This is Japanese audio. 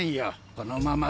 このままで。